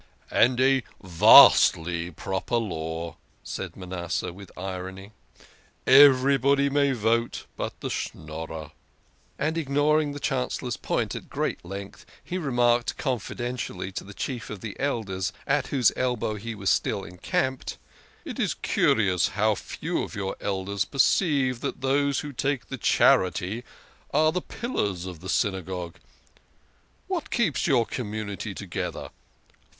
" And a vastly proper law," said Manasseh with irony. " Everybody may vote but the Schnorrer" And, ignoring the Chancellor's point at great length, he remarked con fidentially to the Chief of the Elders, at whose elbow he was still encamped, " It is curious how few of your Elders THE KING OF SCHNORRERS. 121 perceive that those who take the charity are the pillars of the Synagogue. What keeps your community together?